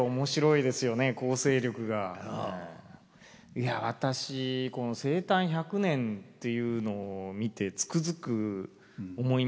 いや私この「生誕１００年」というのを見てつくづく思いました。